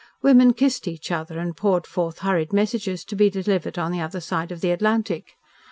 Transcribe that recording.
Women kissed each other and poured forth hurried messages to be delivered on the other side of the Atlantic.